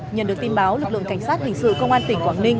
nhận được tin báo lực lượng cảnh sát hình sự công an tỉnh quảng ninh